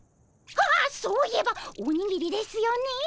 ああそういえばおにぎりですよねえ。